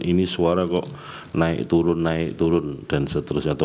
ini suara kok naik turun naik turun dan seterusnya